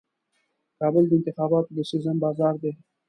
کابل د انتخاباتو د سیزن بازار دی.